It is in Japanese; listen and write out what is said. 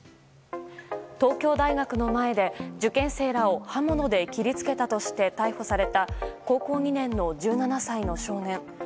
東京大学の前で受験生らを刃物で傷つけたとして逮捕された高校２年の１７歳の少年。